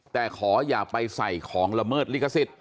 แต่ขออย่าไปใส่ของละเมิดลิขสิทธิ